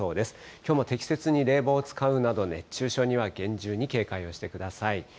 きょうも適切に冷房を使うなど、熱中症には厳重に警戒をしてください。